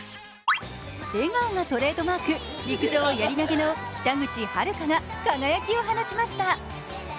笑顔がトレードマーク、陸上やり投げの北口榛花が輝きを放ちました。